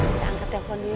kita angkat telepon dulu ya